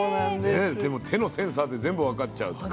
手のセンサーで全部分かっちゃうと。